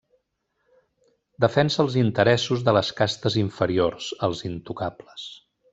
Defensa els interessos de les castes inferiors, els intocables.